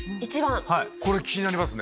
これ気になりますね